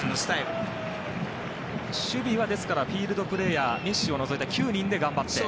ですから、守備はフィールドプレーヤーメッシを除いた９人で頑張って。